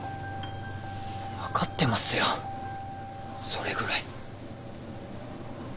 分かってますよそれぐらい。